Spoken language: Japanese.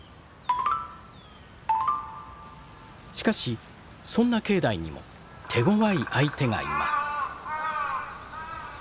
しかしそんな境内にも手ごわい相手がいます。